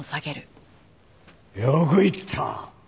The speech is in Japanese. よく言った！